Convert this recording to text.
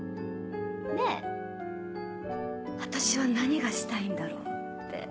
で私は何がしたいんだろう？って